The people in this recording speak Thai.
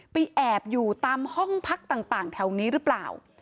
แอบอยู่ตามห้องพักต่างแถวนี้หรือเปล่า